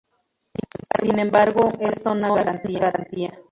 Sin embargo, esto no es una garantía.